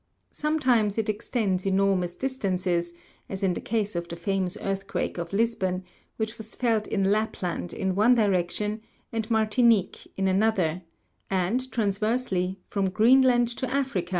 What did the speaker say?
Sometimes it extends enormous distances, as in the case of the famous earthquake of Lisbon, which was felt in Lapland in one direction, and Martinique in another ; and, transversely, from Greenland to Africa, where 2.